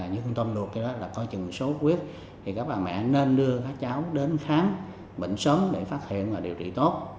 như con tôm luộc kia đó là coi chừng sốt huyết thì các bà mẹ nên đưa các cháu đến khám bệnh sớm để phát hiện và điều trị tốt